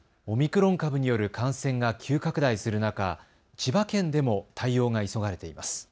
オミクロン株による感染が急拡大する中、千葉県でも対応が急がれています。